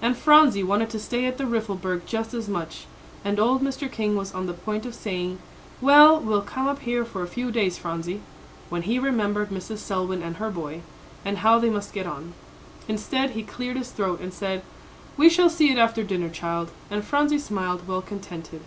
And Phronsie wanted to stay at the Riffelberg just as much; and old Mr. King was on the point of saying, "Well, we'll come up here for a few days, Phronsie," when he remembered Mrs. Selwyn and her boy, and how they must get on. Instead, he cleared his throat, and said, "We shall see it after dinner, child," and Phronsie smiled, well contented.